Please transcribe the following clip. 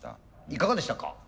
いかがでしたか？